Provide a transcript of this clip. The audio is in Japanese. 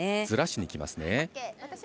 ずらしに来ますね。